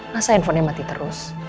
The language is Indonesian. masa handphonenya mati terus